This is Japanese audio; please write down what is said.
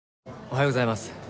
おはようございます。